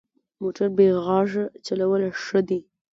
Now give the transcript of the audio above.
موټر بې غږه چلول ښه دي.